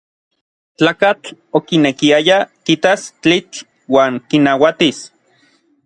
Tlakatl okinekiaya kitas tlitl uan kinauatis.